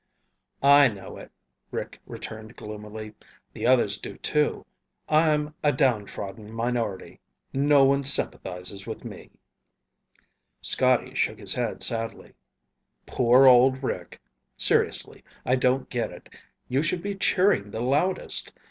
"I know it," Rick returned gloomily. "The others do, too. I'm a downtrodden minority. No one sympathizes with me." Scotty shook his head sadly. "Poor old Rick. Seriously, I don't get it. You should be cheering the loudest.